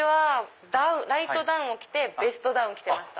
ライトダウンを着てベストダウン着てました。